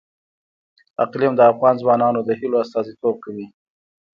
اقلیم د افغان ځوانانو د هیلو استازیتوب کوي.